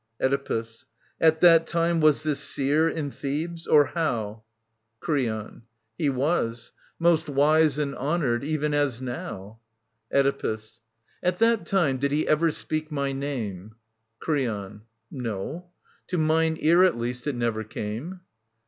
Oedipus. At that time was this seer in Thebes, or how ? 3' ^^^ SOPHOCLES TT. 563 573 ^ r .,'^) Creon. He was ; most wise and honoured, even as now. Oedipus. At I hat time did he ever speak my name ? Creon. No. To mine ear at least it never came.